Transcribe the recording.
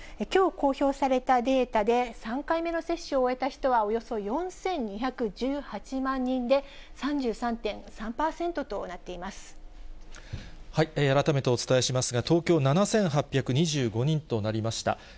きょう公表されたデータで、３回目の接種を終えた人はおよそ４２１８万人で、３３．３％とな改めてお伝えしますが、東京、７８２５人となりました。